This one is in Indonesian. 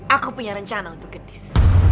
aku punya rencana untuk gedis